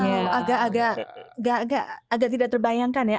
agak tidak terbayangkan ya